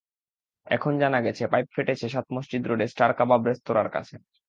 এখন জানা গেছে, পাইপ ফেটেছে সাতমসজিদ রোডে স্টার কাবাব রেস্তোরাঁর কাছে।